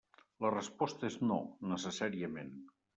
La resposta és no, necessàriament.